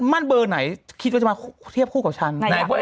มั่นเบอร์ไหนคิดว่าจะมาเทียบคู่กับฉัน